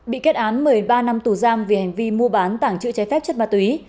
bị kết án một mươi ba năm tù giam về hành vi mua bán tảng chữ trái phép chất ma túy